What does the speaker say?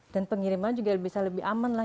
dan pengiriman juga bisa lebih aman lah